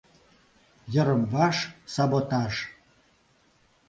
Йырым-ваш саботаж.